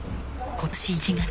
今年１月。